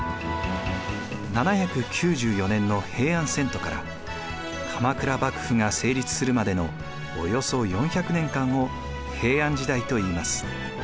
７９４年の平安遷都から鎌倉幕府が成立するまでのおよそ４００年間を平安時代といいます。